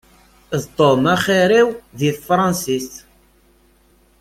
D Tom axir-iw deg tefransist.